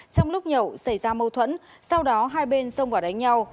trong lúc nhậu xảy ra mâu thuẫn sau đó hai bên xông vào đánh nhau